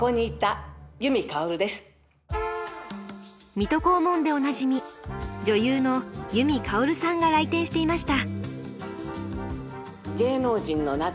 「水戸黄門」でおなじみ女優の由美かおるさんが来店していました。